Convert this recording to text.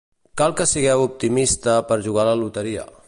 Cal que sigueu optimista per jugar a la loteria.